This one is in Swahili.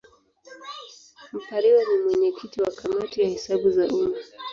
Mpariwa ni mwenyekiti wa Kamati ya Hesabu za Umma.